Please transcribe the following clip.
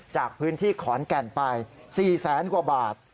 จากพื้นที่ขอนแก่นไป๔แสนกว่าบาท